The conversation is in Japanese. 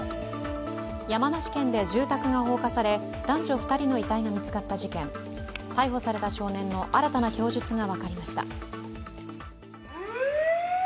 山梨県で住宅が放火され、男女２人の遺体が見つかった事件逮捕された少年の新たな供述が分かりました。